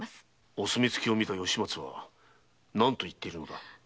お墨付きを見た吉松は何と言っているのだ？